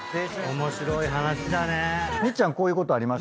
面白い話だね。